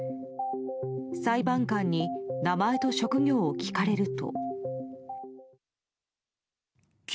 裁判官に名前と職業を聞かれると。